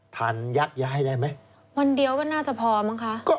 ทานยักย้ายได้ไหมวันเดียวก็น่าจะพอมั้งคะ